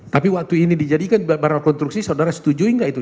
tapi waktu ini dijadikan baru rekonstruksi saudara setujui gak itu